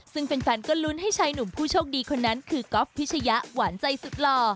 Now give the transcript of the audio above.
ซึ่งแฟนก็ลุ้นให้ชายหนุ่มผู้โชคดีคนนั้นคือก๊อฟพิชยะหวานใจสุดหล่อ